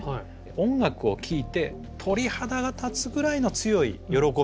音楽を聴いて鳥肌が立つくらいの強い喜び